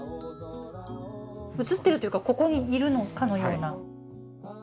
映っているというかここにいるのかのような。